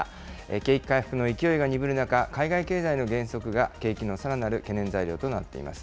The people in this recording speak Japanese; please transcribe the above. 景気回復の勢いが鈍る中、海外経済の減速が景気のさらなる懸念材料となっています。